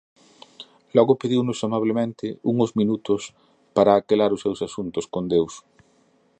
Logo pediunos amablemente uns minutos para aquelar os seus asuntos con Deus.